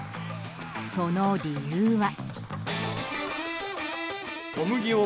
その理由は。